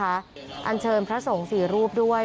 อันเชิญพระสงฆ์๔รูปด้วย